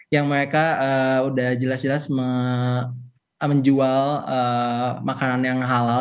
yang mereka udah jelas jelas menjual makanan yang halal